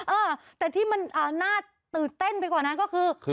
เออแต่ที่มันน่าตื่นเต้นไปกว่านั้นก็คือ